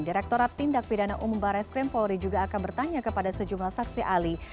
direkturat tindak pidana umum barres krim polri juga akan bertanya kepada sejumlah saksi alih